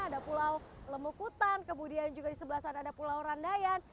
ada pulau lemukutan kemudian juga di sebelah sana ada pulau randayan